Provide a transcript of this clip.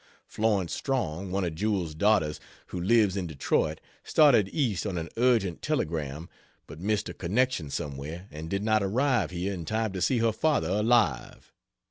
Florence Strong, one of Jewell's daughters, who lives in Detroit, started East on an urgent telegram, but missed a connection somewhere, and did not arrive here in time to see her father alive.